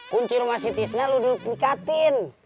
kunci rumah si tisna lo dulu nikatin